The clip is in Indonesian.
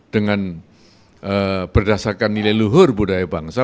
dengan berdasarkan nilai luhur budaya bangsa